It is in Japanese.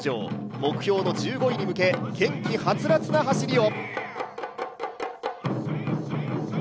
目標の１５位に向け「元気ハツラツ」な走りを！